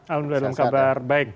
alhamdulillah dalam kabar baik